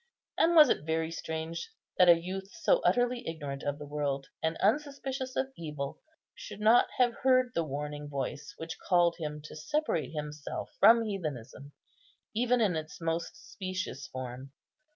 And was it very strange that a youth so utterly ignorant of the world, and unsuspicious of evil, should not have heard the warning voice which called him to separate himself from heathenism, even in its most specious form?